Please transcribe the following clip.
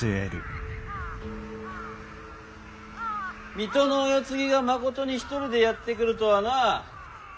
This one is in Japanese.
水戸のお世継ぎがまことに一人でやって来るとはな。